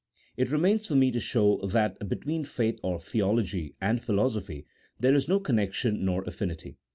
It remains for me to show that between faith or theology, and philosophy, there is no connection, nor affinity.